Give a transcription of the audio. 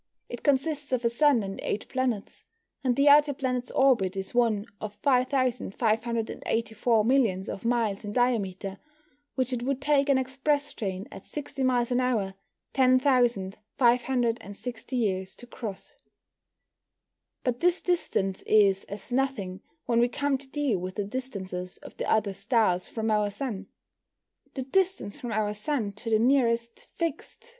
It consists of a Sun and eight planets, and the outer planet's orbit is one of 5,584 millions of miles in diameter, which it would take an express train, at 60 miles an hour, 10,560 years to cross. But this distance is as nothing when we come to deal with the distances of the other stars from our Sun. The distance from our Sun to the nearest fixed